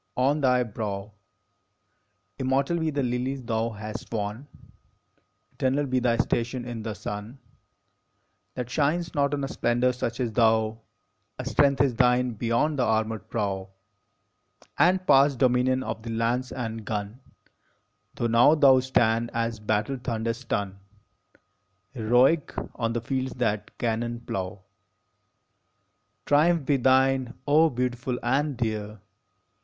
on thy brow Immortal be the lilies thou hast won ! Eternal be thy station in the sun, That shines not on a splendor such as thou! A strength is thine beyond the armored prow, And past dominion of the lance and gun, Tho now thou stand, as battle thunders stun, Heroic, on the fields that cannon plow. Triumph be thine, O beautiful and dear!